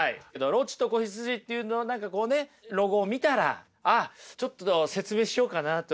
「ロッチと子羊」っていう何かこうねロゴを見たらあっちょっと説明しようかなって思うとかね。